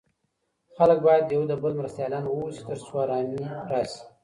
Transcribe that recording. خلګ بايد يو د بل مرستيالان واوسي تر څو ارامي راسي.